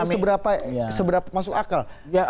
seberapa masuk akal